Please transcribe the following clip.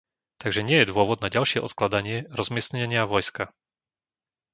Takže nie je dôvod na ďalšie odkladanie rozmiestnenia vojska.